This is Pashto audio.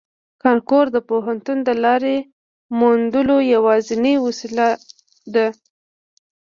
کانکور د پوهنتون د لارې موندلو یوازینۍ وسیله ده